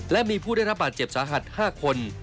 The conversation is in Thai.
และมีผู้ได้รับบาดเจ็บสาหัส๕คน